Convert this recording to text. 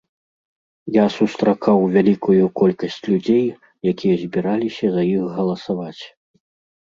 Я сустракаў вялікую колькасць людзей, якія збіраліся за іх галасаваць.